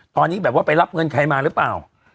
ตอนนี้แบบว่าไปรับเงินใครมาหรือเปล่า